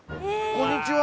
こんにちは。